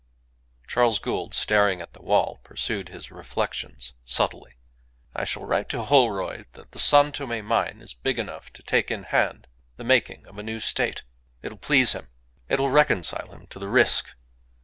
Charles Gould, staring at the wall, pursued his reflections subtly. "I shall write to Holroyd that the San Tome mine is big enough to take in hand the making of a new State. It'll please him. It'll reconcile him to the risk."